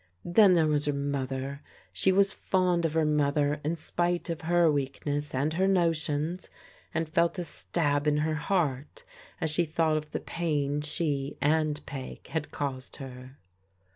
Then there was her mother. She was fond of her mother in spite of her weakness, and her notions, and felt a stab in her heart as she thought of the pain she and Peg had caused her.